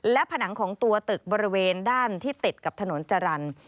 และผนังของตัวตึกบริเวณด้านที่ติดกับถนนจรรย์